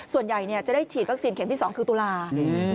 ส่วนใหญ่จะได้ฉีดวัคซีนเข็มที่๒คือตุลา